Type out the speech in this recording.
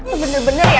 itu bener bener ya